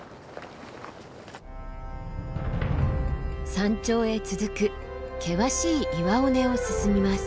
山頂へ続く険しい岩尾根を進みます。